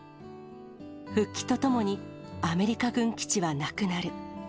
復帰とともにアメリカ軍基地はなくなる。